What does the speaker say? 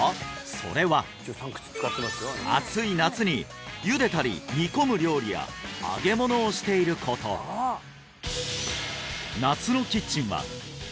それは暑い夏にゆでたり煮込む料理や揚げ物をしていること場所